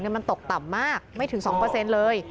มันตกต่ำมากไม่ถึง๒เลย